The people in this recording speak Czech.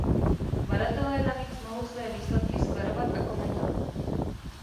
Badatelé navíc mohou své výsledky skladovat a komentovat.